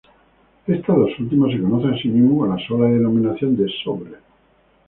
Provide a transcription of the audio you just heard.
Estas dos últimas se conocen así mismo con la sola denominación de "sobres".